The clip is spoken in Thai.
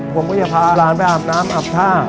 ผมก็จะพาหลานไปอาบน้ำอาบท่า